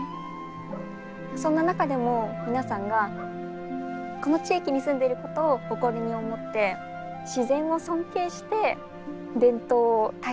そんな中でも皆さんがこの地域に住んでいることを誇りに思って自然を尊敬して伝統を大切に守っている。